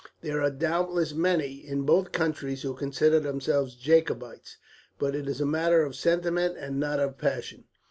There are doubtless many, in both countries, who consider themselves Jacobites, but it is a matter of sentiment and not of passion.